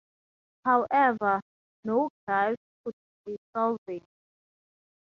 However, no glyphs could be salvaged.